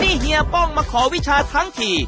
นี่เฮียป้องมาขอวิชาทั้งที